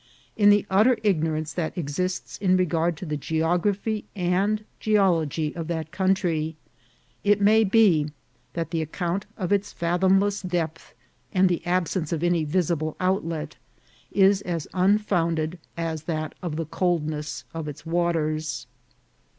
In the utter ignorance that ex ists in regard to the geography and geology of that country, it may be that the account of its fathomless depth, and the absence of any visible outlet, is as un founded as that of the coldness of its waters.